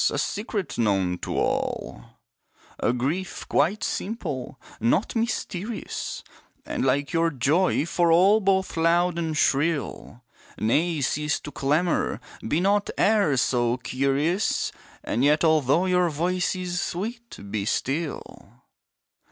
a secret known to all, A grief, quite simple, nought mysterious, And like your joy for all, both loud and shrill, Nay cease to clamour, be not e'er so curious! And yet although your voice is sweet, be still!